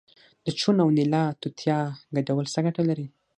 د چونه او نیلا توتیا ګډول څه ګټه لري؟